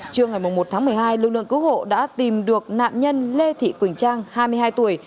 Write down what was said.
trưa ngày một tháng một mươi hai lực lượng cứu hộ đã tìm được nạn nhân lê thị quỳnh trang hai mươi hai tuổi